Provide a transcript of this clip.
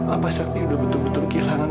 apa sakti sudah betul betul kehilangan